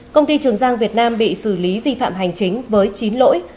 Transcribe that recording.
công ty trường giang việt nam bị xử lý vi phạm hành chính với chín lỗi